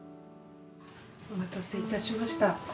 お待たせいたしました。